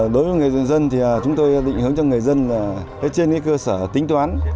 đối với người dân chúng tôi định hướng cho người dân trên cơ sở tính toán